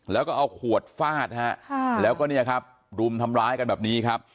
แล้วก็เอาขวดฟาดฮะแล้วก็เนี่ยครับรุมทำร้ายกันแบบนี้ครับ